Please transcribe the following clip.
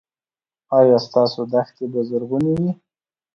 ایا ستاسو دښتې به زرغونې وي؟